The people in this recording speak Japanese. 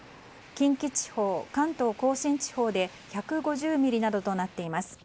近畿地方、関東・甲信地方で１５０ミリとなっています。